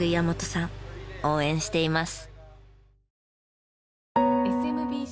応援しています！